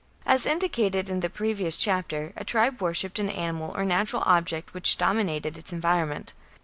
As indicated in the previous chapter, a tribe worshipped an animal or natural object which dominated its environment.